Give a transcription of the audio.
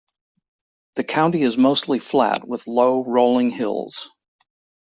The county is mostly flat with low, rolling hills.